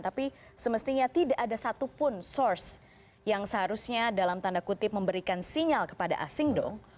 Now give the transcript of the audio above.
tapi semestinya tidak ada satupun source yang seharusnya dalam tanda kutip memberikan sinyal kepada asing dong